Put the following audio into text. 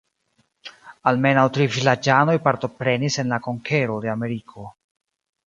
Almenaŭ tri vilaĝanoj partoprenis en la konkero de Ameriko.